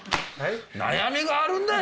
悩みがあるんだよ！